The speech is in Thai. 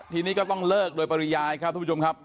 ทีนี้ก็ต้องเลิกโดยปริยายครับทุกผู้ชมครับ